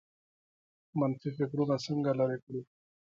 منفي فکرونه څنګه لرې کړو؟